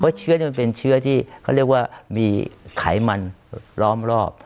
เพราะเชื้อมันเป็นเชื้อที่เขาเรียกว่ามีไขมันล้อมรอบ